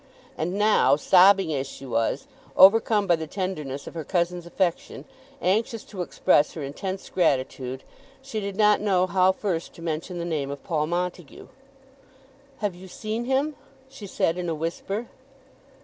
And now, sobbing as she was, overcome by the tenderness of her cousin's affection, anxious to express her intense gratitude, she did not know how first to mention the name of Paul Montague. "Have you seen him?" she said in a whisper.